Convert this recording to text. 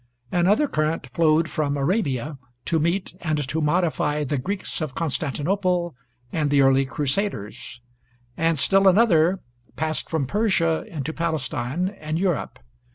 Another current flowed from Arabia to meet and to modify the Greeks of Constantinople and the early Crusaders; and still another passed from Persia into Palestine and Europe.